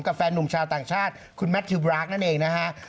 แฟนหนุ่มชาวต่างชาติคุณแมททิวบรากนั่นเองนะฮะ